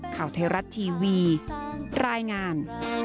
ข่าวไทยรัฐทีวีรายงาน